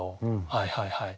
はいはいはい。